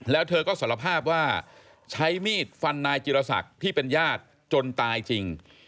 แล้วเธอก็สารภาพว่าใช้มีดฟันนายจิรศักดิ์ที่เป็นญาติจนตายจริง